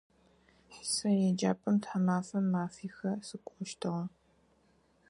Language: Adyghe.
Сэ еджапӏэм тхьамафэм мэфихэ сыкӏощтыгъэ.